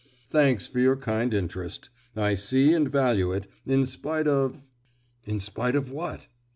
"Thanks for your kind interest, I see and value it, in spite of——" "In spite of what?"